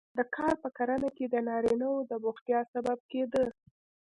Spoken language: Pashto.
دا کار په کرنه کې د نارینه وو د بوختیا سبب کېده